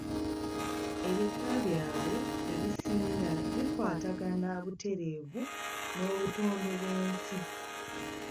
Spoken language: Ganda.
Ebika byabwe ebisinga bikwatagana butereevu n’obutonde bw’ensi.